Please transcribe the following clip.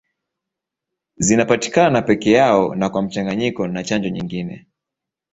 Zinapatikana peke yao na kwa mchanganyiko na chanjo nyingine.